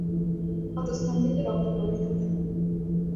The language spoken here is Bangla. ক্ষত স্থান থেকে রক্ত প্রবাহিত হতে লাগল।